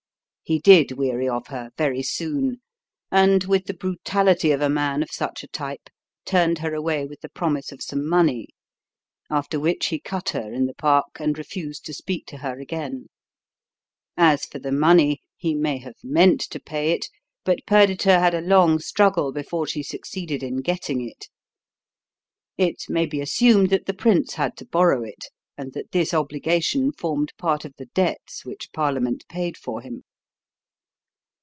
He did weary of her very soon, and, with the brutality of a man of such a type, turned her away with the promise of some money; after which he cut her in the Park and refused to speak to her again. As for the money, he may have meant to pay it, but Perdita had a long struggle before she succeeded in getting it. It may be assumed that the prince had to borrow it and that this obligation formed part of the debts which Parliament paid for him.